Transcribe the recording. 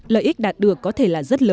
lợi ích đạt được có thể là rất lớn